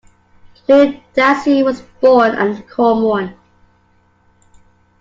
Ludassy was born at Komorn.